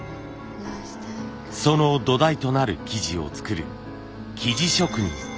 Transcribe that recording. その土台となる素地を作る素地職人。